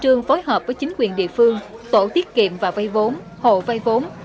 thường phối hợp với chính quyền địa phương tổ tiết kiệm và vây vốn hộ vây vốn